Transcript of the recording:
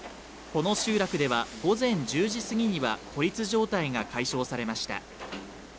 この集落では午前１０時すぎには孤立状態が解消されました。